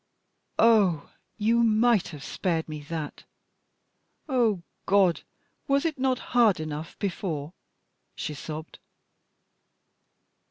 "Oh, you might have spared me that! O God! was it not hard enough before?" she sobbed.